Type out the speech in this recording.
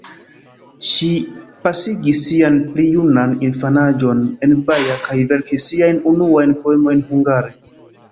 Ŝi pasigis sian pli junan infanaĝon en Baja kaj verkis siajn unuajn poemojn hungare.